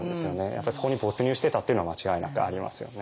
やっぱそこに没入してたっていうのは間違いなくありますよね。